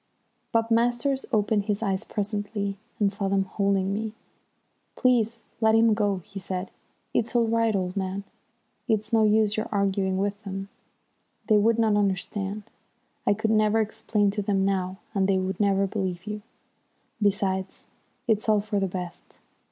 Bob Masters opened his eyes presently, and saw them holding me. "Please let him go," he said. "It's all right, old man. It's no use your arguing with them, they would not understand. I could never explain to them now, and they would never believe you. Besides, it's all for the best.